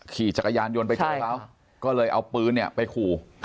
ขี่จักรยานยนต์ไปก่อนแล้วก็เลยเอาปื้นเนี่ยไปขู่